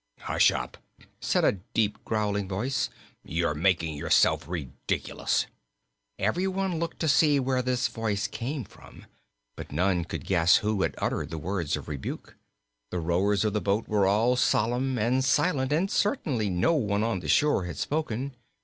"Hush up!" said a deep, growling voice. "You're making yourself ridiculous." Everyone looked to see where this voice came from; but none could guess who had uttered the words of rebuke. The rowers of the boat were all solemn and silent and certainly no one on the shore had spoken.